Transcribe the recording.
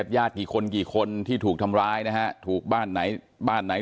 แต่จริงรักเขาอย่างไร